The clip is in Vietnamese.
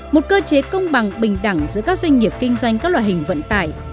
một cơ chế công bằng bình đẳng giữa các doanh nghiệp kinh doanh các loại hình vận tải